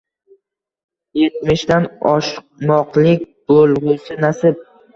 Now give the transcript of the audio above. Yetmishdan oshmoqlik bo’lg’usi nasib